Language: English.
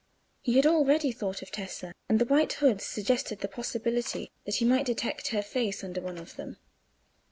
He had already thought of Tessa, and the white hoods suggested the possibility that he might detect her face under one of them.